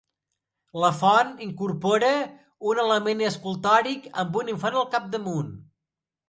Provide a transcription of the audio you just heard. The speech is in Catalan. La font incorpora un element escultòric amb un infant al capdamunt.